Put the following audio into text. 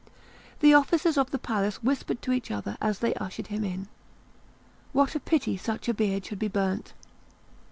The officers of the palace whispered to each other, as they ushered him in, "What a pity such a beard should be burnt!"